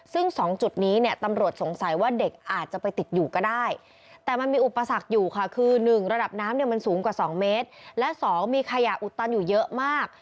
ซึ่ง๒จุดนี้เนี่ยตำรวจสงสัยว่าเด็กอาจจะไปติดอยู่ก็ได้แต่มันมีอุปสรรคอยู่ค่ะคือ๑ระดับน้ำเนี่ยมันสูงกว่า๒เมตรและ๒มีขยะอุดตันอยู่เยอะมาก